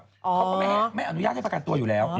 เขาก็ไม่อนุญาตให้ประกันตัวอยู่แล้ว